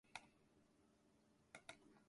ぽよー